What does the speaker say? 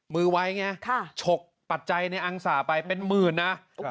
มือไว้เนี่ยชกปัจจัยในอังสารไปเป็นหมื่นนะ